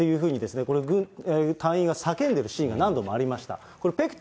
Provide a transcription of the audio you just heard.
これ、隊員が叫んでいるシーンが何度もありました。